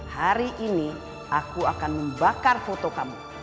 hari ini aku akan membakar foto kamu